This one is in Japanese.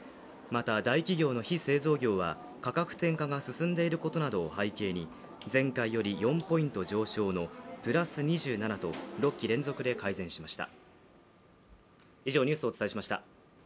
また、大企業の非製造業は価格転嫁が進んでいることなどを背景に前回より４ポイント上昇のプラス２７と、６期連続で改善しました。